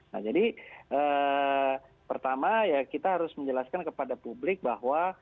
nah jadi pertama ya kita harus menjelaskan kepada publik bahwa